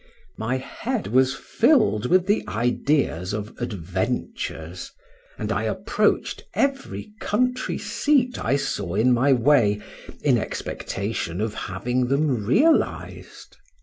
My head was filled with the ideas of adventures, and I approached every country seat I saw in my way, in expectation of having them realized.